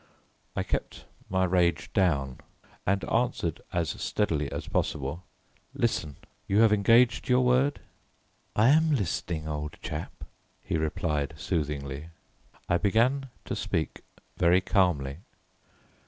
I kept my rage down and answered as steadily as possible, "Listen, you have engaged your word?" "I am listening, old chap," he replied soothingly. I began to speak very calmly.